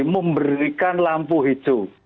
memberikan lampu hijau